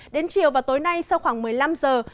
đến chiều và tối nay sau khoảng một mươi năm giờ